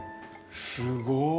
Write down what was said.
すごい。